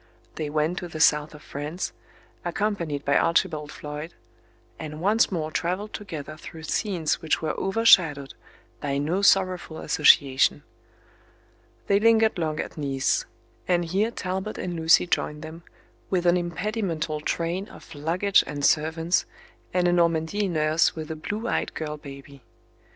They went to the south of France, accompanied by Archibald Floyd, and once more travelled together through scenes which were overshadowed by no sorrowful association. They lingered long at Nice; and here Talbot and Lucy joined them, with an impedimental train of luggage and servants, and a Normandy nurse with a blue eyed girl baby.